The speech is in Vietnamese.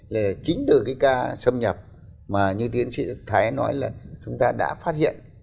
là chính từ cái ca xâm nhập mà như tiến sĩ thái nói là chúng ta đã phát hiện